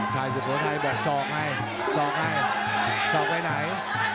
ชายสุโทษไทยบอกสอกให้สอกให้สอกไหน